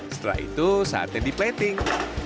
setelah itu saatnya diplating